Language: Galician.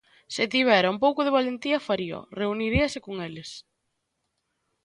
Se tivera un pouco de valentía, faríao, reuniríase con eles.